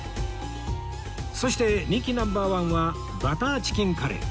そして人気 Ｎｏ．１ はバターチキンカレー